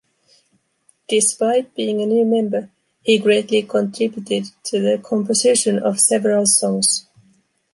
Despite being a new member, he greatly contributed to the composition of several songs.